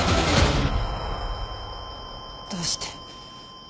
どうして。